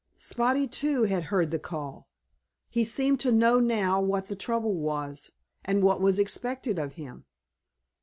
Spotty too had heard the call. He seemed to know now what the trouble was, and what was expected of him.